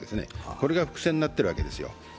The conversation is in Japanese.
これが伏線になっているわけですよ。